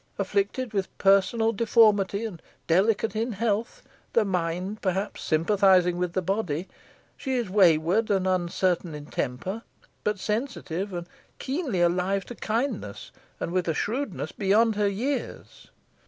Afflicted with personal deformity, and delicate in health, the mind perhaps sympathising with the body, she is wayward and uncertain in temper, but sensitive and keenly alive to kindness, and with a shrewdness beyond her years.